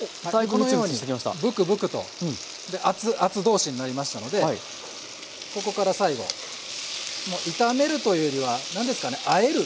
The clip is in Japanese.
このようにブクブクと熱々同士になりましたのでここから最後もう炒めるというよりはなんですかねあえる。